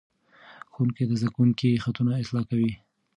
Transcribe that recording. ښوونکي د زده کوونکو خطونه اصلاح کوي.